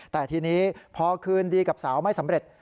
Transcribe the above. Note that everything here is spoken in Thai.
แต่ทีนี้พอคืนดีกับสาวไม่สำเร็จ